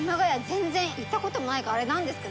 全然行ったこともないからあれなんですけど。